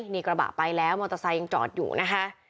นี่กระบะไปแล้วมอเตอร์ไซค์ยังจอดอยู่นะคะ